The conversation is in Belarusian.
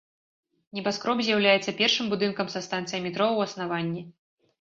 Небаскроб з'яўляецца першым будынкам са станцыяй метро ў аснаванні.